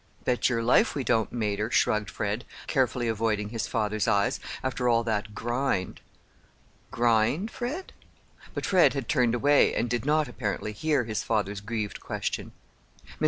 "Bet your life we don't, mater," shrugged Fred, carefully avoiding his father's eyes, "after all that grind." "Grind, Fred?" But Fred had turned away, and did not, apparently, hear his father's grieved question. Mr.